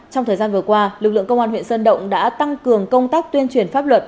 trong thời gian vừa qua lực lượng công an huyện sơn động đã tăng cường công tác tuyên truyền pháp luật